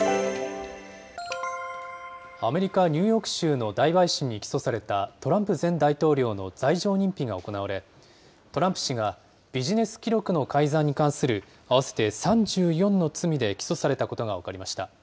アメリカ・ニューヨーク州の大陪審に起訴されたトランプ前大統領の罪状認否が行われ、トランプ氏がビジネス記録の改ざんに関する合わせて３４の罪で起訴されたことが分かりました。